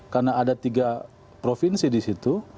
karena ada tiga provinsi disitu